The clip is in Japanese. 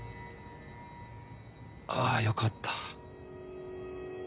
ああよかった。